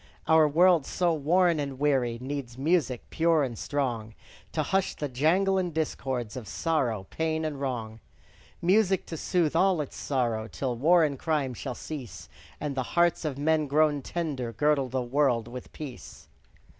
Our world, so warn and weary, Needs music, pure and strong, To hush the jangle and discords Of sorrow, pain, and wrong. Music to soothe all its sorrow, Till war and crime shall cease; And the hearts of men grown tender Girdle the world with peace.